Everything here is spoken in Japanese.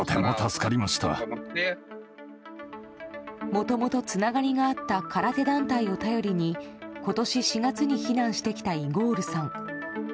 もともとつながりがあった空手団体を頼りに今年４月に避難してきたイゴールさん。